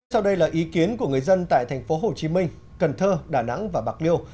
sau đây là ý kiến của người dân tại thành phố hồ chí minh cần thơ đà nẵng và bạc liêu